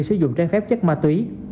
sử dụng trang phép chất ma túy